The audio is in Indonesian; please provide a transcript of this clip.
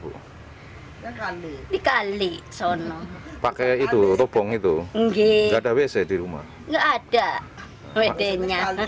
tidak ada wc nya